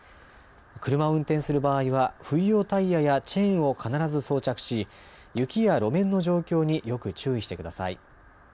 車を運転する場合は冬用タイヤやチェーンを必ず装着し雪や路面の状況によく注意してください。